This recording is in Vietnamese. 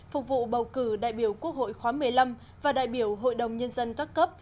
phục vụ bầu cử đại biểu quốc hội khóa một mươi năm và đại biểu hội đồng nhân dân các cấp